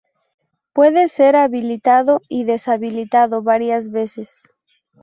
Puede ser habilitado y deshabilitado varias veces.